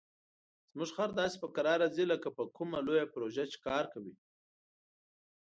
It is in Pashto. زموږ خر داسې په کراره ځي لکه په کومه لویه پروژه کار کوي.